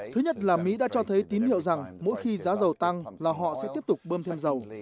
thứ nhất là mỹ đã cho thấy tín hiệu rằng mỗi khi giá dầu tăng là họ sẽ tiếp tục bơm thêm dầu